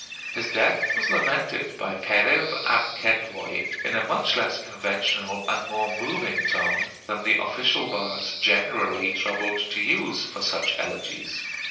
His death was lamented by Periv ab Kedwoi in a much less conventional and more moving tone than the official bards generally troubled to use for such elegies.